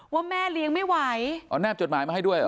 ว่าแม่เลี้ยงไม่ไหวเอาแบบจดหมายมาให้ด้วยเหรอ